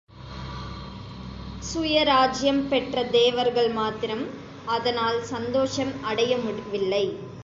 சுயராஜ்யம் பெற்ற தேவர்கள் மாத்திரம் அதனால் சந்தோஷம் அடையவில்லை.